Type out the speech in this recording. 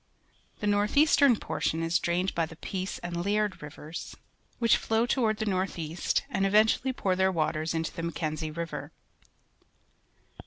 The north eastern portion is drained by the Peac e and Li ard Rivers, which flow toward thenorth east and eventually pour their waters into the Mackenzie River